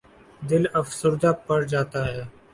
دل افسردہ پڑ جاتا ہے۔